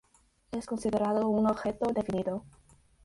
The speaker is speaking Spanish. Es considerado un objeto definido.